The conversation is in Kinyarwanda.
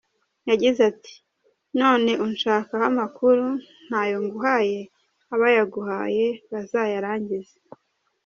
Yagize ati; "None unshakaho amakuru, ntayo nguhaye, abayaguhaye bazayarangize".